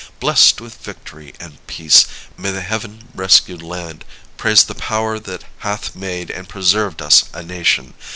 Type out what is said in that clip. Blest with victory and peace, may the Heav'n rescued land Praise the power that hath made and preserved us a nation.